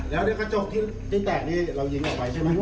แล้วกระจกที่แตกนี่เรายิงออกไปใช่ไหม